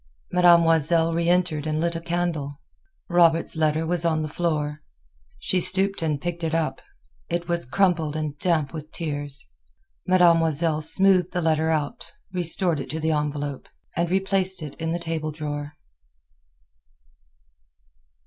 Mademoiselle reentered and lit a candle. Robert's letter was on the floor. She stooped and picked it up. It was crumpled and damp with tears. Mademoiselle smoothed the letter out, restored it to the envelope, and replaced it in the table drawer.